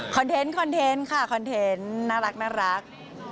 เทนต์คอนเทนต์ค่ะคอนเทนต์น่ารัก